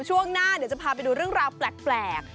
ช่วงหน้าเดี๋ยวจะพาไปดูเรื่องราวแปลก